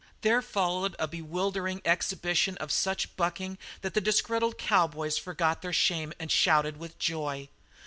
There followed a bewildering exhibition of such bucking that the disgruntled cowboys forgot their shame and shouted with joy.